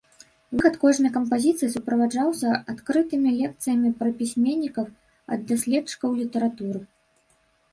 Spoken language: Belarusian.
Выхад кожнай кампазіцыі суправаджаўся адкрытымі лекцыямі пра пісьменнікаў ад даследчыкаў літаратуры.